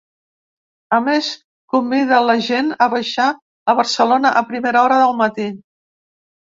A més, convida la gent a baixar a Barcelona a primera hora del matí.